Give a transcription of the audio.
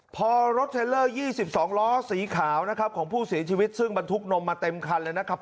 พอรถเทลเลอร์๒๒ล้อสีขาวนะครับของผู้เสียชีวิตซึ่งบรรทุกนมมาเต็มคันเลยนะครับ